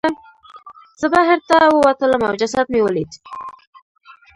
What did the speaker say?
زه بهر ته ووتلم او جسد مې ولید.